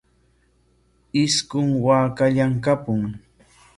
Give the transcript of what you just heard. Isqun waakallam kapun.